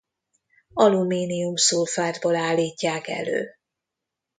Alumínium-szulfátból állítják elő.